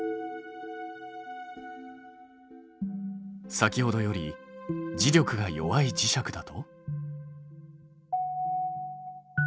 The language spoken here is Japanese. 先ほどより磁力が弱い磁石だと。